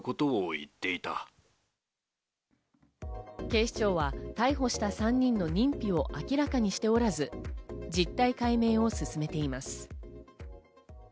警視庁は逮捕した３人の認否を明らかにしておらず、実態解明を進めています。